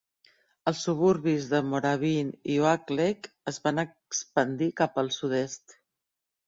Els suburbis de Moorabbin i Oakleigh es van expandir cap al sud-est.